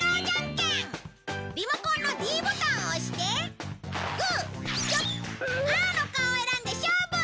リモコンのｄボタンを押してグーチョキパーの顔を選んで勝負！